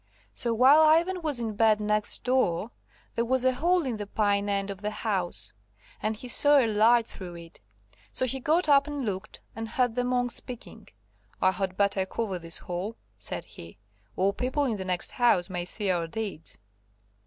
So while Ivan was in bed next door, there was a hole in the pine end of the house, and he saw a light through it. So he got up and looked, and heard the monk speaking. "I had better cover this hole," said he, "or people in the next house may see our deeds."